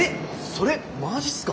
それマジっすか？